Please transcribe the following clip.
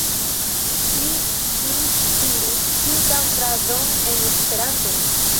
Ŝi ĵus diris tutan frazon en Esperanto!